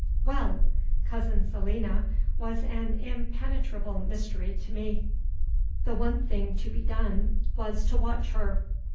Well! Cousin Selina was an impenetrable mystery to me. The one thing to be done was to watch her.